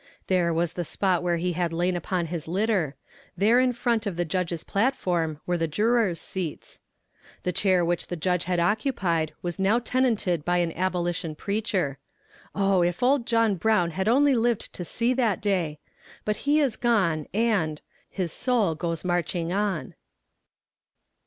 There was the spot where he had lain upon his litter. There in front of the judge's platform were the juror's seats. The chair which the judge had occupied was now tenanted by an abolition preacher. Oh! if old John Brown had only lived to see that day! but he is gone, and His soul goes marching on.